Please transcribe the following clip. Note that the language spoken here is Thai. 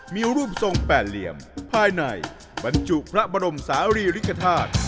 มีรูปทรงแปดเหลี่ยมภายในบรรจุพระบรมศาลีริกฐาตุ